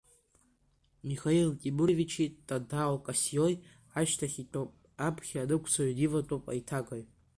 Михаил Темуровичи Тадао Касиои ашьҭахь итәоуп, аԥхьа аныҟәцаҩы диватәоуп аиҭагаҩ.